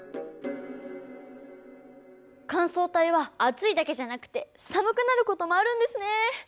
乾燥帯は暑いだけじゃなくて寒くなることもあるんですね。